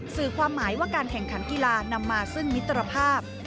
สื่อความหมายว่าการแข่งขันกีฬานำมาซึ่งมิตรภาพ